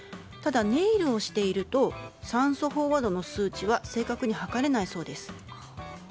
ただ、ネイルをしていると酸素飽和度の数値は正確に測れないそうです。